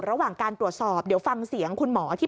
ระหว่างการตรวจสอบเดี๋ยวฟังเสียงคุณหมอที่